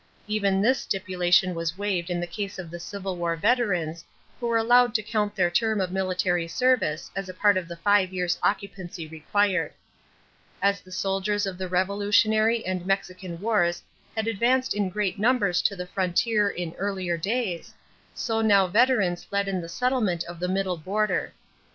Even this stipulation was waived in the case of the Civil War veterans who were allowed to count their term of military service as a part of the five years' occupancy required. As the soldiers of the Revolutionary and Mexican wars had advanced in great numbers to the frontier in earlier days, so now veterans led in the settlement of the middle border.